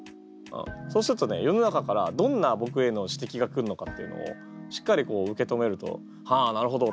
そうするとね世の中からどんな僕への指摘が来るのかっていうのをしっかり受け止めるとはあなるほどと。